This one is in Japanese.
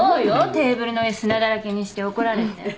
テーブルの上砂だらけにして怒られて。